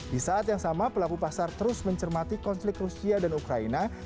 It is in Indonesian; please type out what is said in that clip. di saat yang sama pelaku pasar terus mencermati konflik rusia dan ukraina